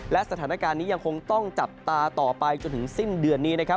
และสถานการณ์นี้ยังคงต้องจับตาต่อไปจนถึงสิ้นเดือนนี้นะครับ